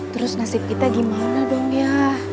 terus nasib kita gimana dong ya